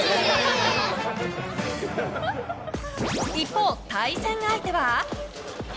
一方、対戦相手は。